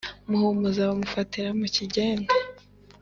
muhumuza bamufatira mu kigende,